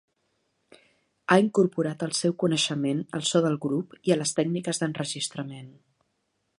Ha incorporat el seu coneixement al so del grup i a les tècniques d'enregistrament.